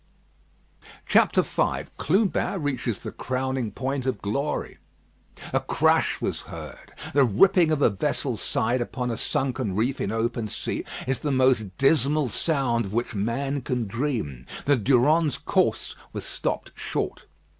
V CLUBIN REACHES THE CROWNING POINT OF GLORY A crash was heard. The ripping of a vessel's side upon a sunken reef in open sea is the most dismal sound of which man can dream. The Durande's course was stopped short.